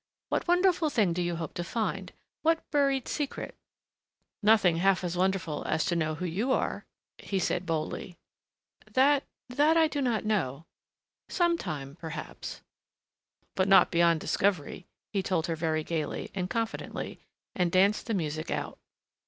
What wonderful thing do you hope to find what buried secret ?" "Nothing half as wonderful as to know who you are," he said boldly. "That, too, is is buried, monsieur!" "But not beyond discovery," he told her very gayly and confidently, and danced the music out.